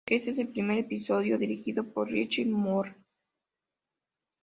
Este es el primer episodio dirigido por Rich Moore.